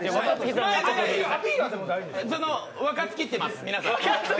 若槻ってます、皆さん。